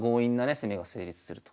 攻めが成立すると。